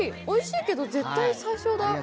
おいしいけど、絶対最初だ。